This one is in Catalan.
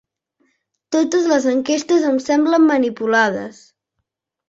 Totes les enquestes em semblen manipulades.